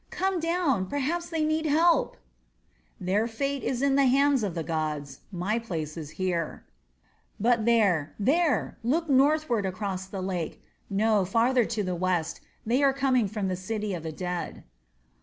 Come down, perhaps they need help." "Their fate is in the hands of the gods my place is here. "But there there! Look northward across the lake. No, farther to the west. They are coming from the city of the dead."